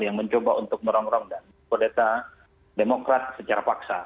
yang mencoba untuk merongrong dan kudeta demokrat secara paksa